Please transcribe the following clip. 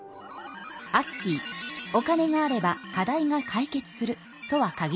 アッキーお金があれば課題が解決するとは限りません。